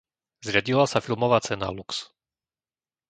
Zriadila sa filmová cena Lux.